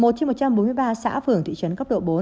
một trên một trăm bốn mươi ba xã phường thị trấn cấp độ bốn